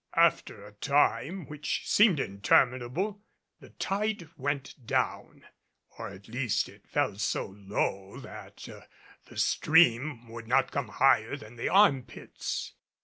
After a time, which seemed interminable, the tide went down; or at least it fell so low that the stream would not come higher than the arm pits.